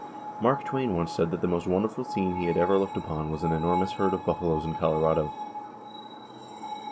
Mark Twain once said that the most wonderful scene he had ever looked upon was an enormous herd of buffaloes in Colorado.